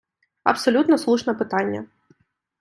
Абсолютно слушне питання.